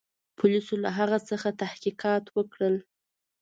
پولیسو له هغه څخه تحقیقات وکړل.